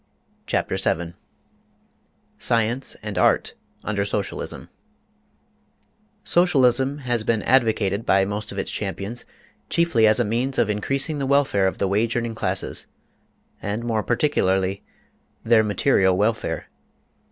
CHAPTER VII SCIENCE AND ART UNDER SOCIALISM SOCIALISM has been advocated by most of its champions chiefly as a means of increasing the welfare of the wage earning classes, and more particularly their material welfare.